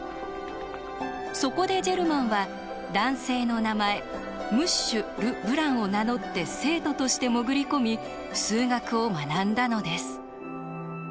そこでジェルマンは男性の名前ムッシュル・ブランを名乗って生徒として潜り込み数学を学んだのです。